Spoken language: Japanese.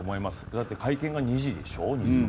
だって会見が２時でしょ？